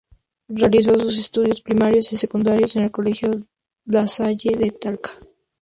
Realizó sus estudios primarios y secundarios en el Colegio La Salle de Talca.